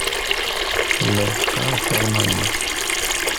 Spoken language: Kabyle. Telliḍ teqqareḍ talmanit.